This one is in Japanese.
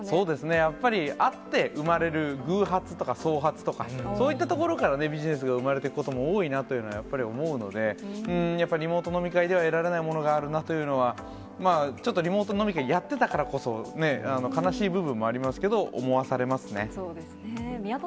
やっぱり、会って生まれる偶発とか、そうはつとか、そういったところからビジネスが生まれていくことも多いなというのは、やっぱり思うので、やっぱりリモート飲み会では得られないものがあるなというのは、ちょっとリモート飲み会、やってたからこそ、悲しい部分もありまそうですね。